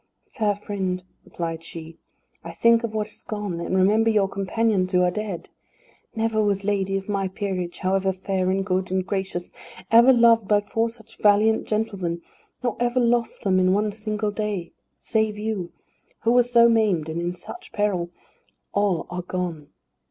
"Fair friend," replied she, "I think of what is gone, and remember your companions, who are dead. Never was lady of my peerage, however fair and good and gracious, ever loved by four such valiant gentlemen, nor ever lost them in one single day. Save you who were so maimed and in such peril all are gone.